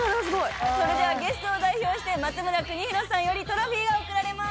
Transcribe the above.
それではゲストを代表して松村邦洋さんよりトロフィーが贈られます。